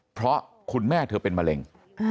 เพราะคุณแม่เธอเป็นมะเร็ง